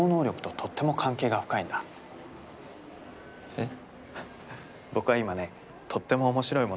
えっ？